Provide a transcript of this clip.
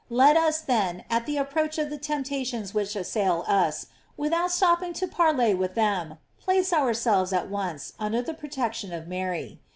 Let us, then, at the approach of the temptations which assail us, without stopping to parley with them, place ourselves at once under the protec tion of Mary.